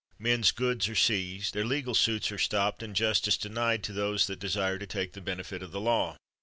Men's goods are seized, their legal suits are stopped, and justice denied to those that de sire to take the benefit of the law.